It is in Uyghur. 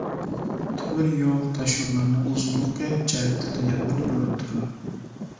تۆمۈريول، تاشيوللارنىڭ ئۇزۇنلۇقى جەھەتتە دۇنيادا بىرىنچى ئورۇندا تۇرىدۇ.